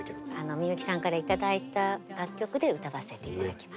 みゆきさんから頂いた楽曲で歌わせて頂きます。